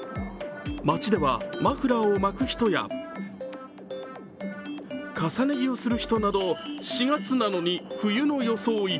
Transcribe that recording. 街ではマフラーを巻く人や重ね着をする人など、４月なのに冬の装い。